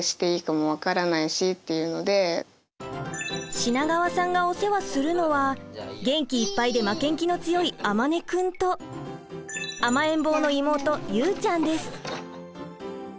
品川さんがお世話するのは元気いっぱいで負けん気の強い周くんと甘えん坊の妹由宇ちゃんです。